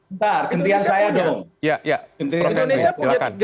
bentar gentian saya dong